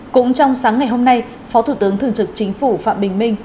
cũng trong sáng ngày hôm nay phó thủ tướng thường trực chính phủ phạm bình minh